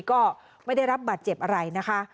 ก็ไม่ได้รับบาดเจ็บอะไรนะคะ